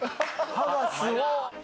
「歯がすごい」